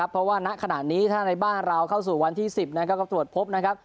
เพราะว่าณขณะนี้ถ้าในบ้านเราเข้าสู่วันที่๑๐ก็ตรวจพบนะครับ